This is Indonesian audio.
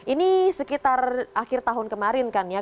ini sekitar akhir tahun kemarin kan ya